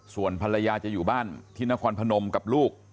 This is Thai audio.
ส่วนภรรยาจะอยู่บ้านที่นครพนมกับลูก